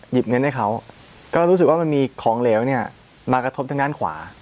เงินให้เขาก็รู้สึกว่ามันมีของเหลวเนี่ยมากระทบทางด้านขวา